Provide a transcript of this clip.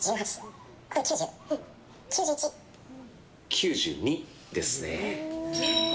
９２ですね。